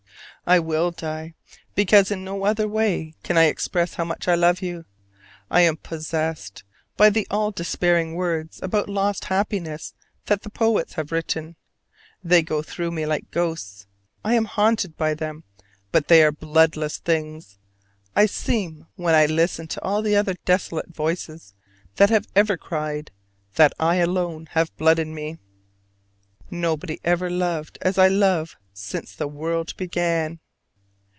I will die, because in no other way can I express how much I love you. I am possessed by all the despairing words about lost happiness that the poets have written. They go through me like ghosts: I am haunted by them: but they are bloodless things. It seems when I listen to all the other desolate voices that have ever cried, that I alone have blood in me. Nobody ever loved as I love since the world began.